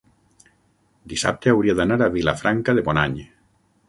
Dissabte hauria d'anar a Vilafranca de Bonany.